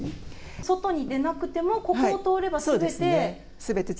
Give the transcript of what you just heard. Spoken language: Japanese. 外に出なくても、ここを通れば、すべて。